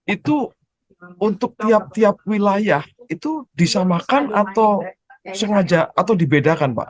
itu untuk tiap tiap wilayah itu disamakan atau sengaja atau dibedakan pak